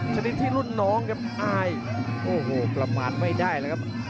ชนิดที่รุ่นน้องครับอายโอ้โหประมาณไม่ได้แล้วครับ